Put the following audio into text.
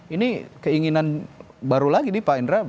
ini keinginan baru lagi nih pak indra